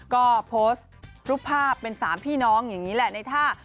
ก็โพสต์รูปภาพเป็น๓พี่น้องอย่างนี้แหละในท่า